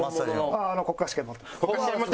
国家試験持ってます。